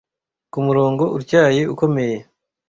ku murongo utyaye ukomeye